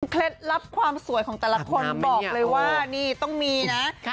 ลับความสวยของแต่ละคนบอกเลยว่านี่ต้องมีนะ